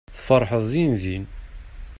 Tfeṛḥeḍ dindin.